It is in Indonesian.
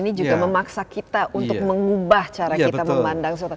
ini juga memaksa kita untuk mengubah cara kita memandang surat